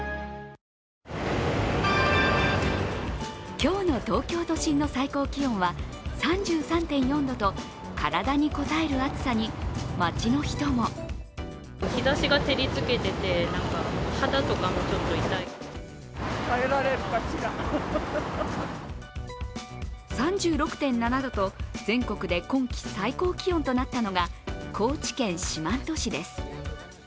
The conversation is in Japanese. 今日の東京都心の最高気温は３３．４度と体にこたえる暑さに、街の人も３６．７度と全国で今季最高気温となったのが高知県四万十市です。